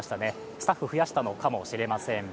スタッフ増やしたのかもしれません。